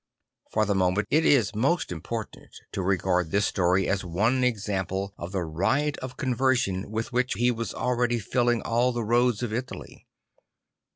For the moment it is most important to regard this story as one example of the riot of conversion \vith which he was already filling all the roads of Italy.